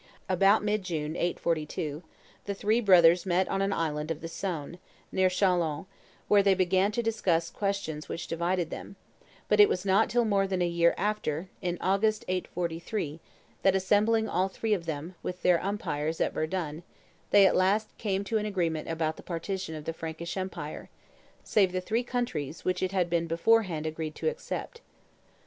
About mid June, 842, the three brothers met on an island of the Saone, near Chalons, where they began to discuss the questions which divided them; but it was not till more than a year after, in August, 843, that assembling all three of them, with their umpires, at Verdun, they at last came to an agreement about the partition of the Frankish empire, save the three countries which it had been beforehand agreed to except.